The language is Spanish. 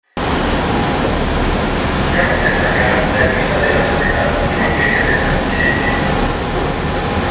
Caben destacar la ermita de la Soledad y la iglesia de San Vicente.